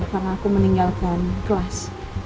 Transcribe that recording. karena aku meninggalkan kelas